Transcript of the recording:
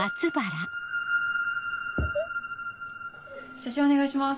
写真お願いします。